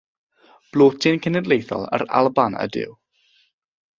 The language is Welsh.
Blodyn cenedlaethol yr Alban ydyw.